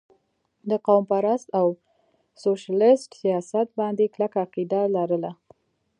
د قوم پرست او سوشلسټ سياست باندې کلکه عقيده لرله